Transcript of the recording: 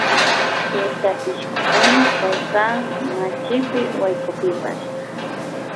Tutapishkukuna kawsan machipi waykupipash.